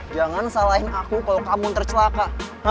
jangan salahin aku kalau kamu tercelaka